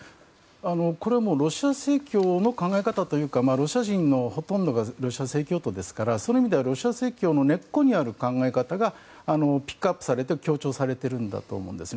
これはロシア正教の考え方というかロシア人のほとんどがロシア正教徒ですからその意味では、ロシア正教の根っこにある考え方がピックアップされて強調されていると思いますね。